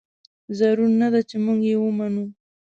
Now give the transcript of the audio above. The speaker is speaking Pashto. ضرور نه ده چې موږ یې ومنو.